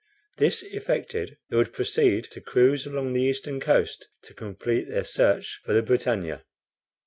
This effected, they would proceed to cruise along the eastern coast to complete their search for the BRITANNIA.